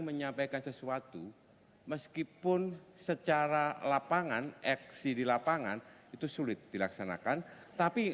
menyampaikan sesuatu meskipun secara lapangan eksi di lapangan itu sulit dilaksanakan tapi